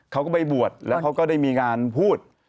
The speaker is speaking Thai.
เขาก็ไปบวชแล้วเขาก็ได้มีงานพูด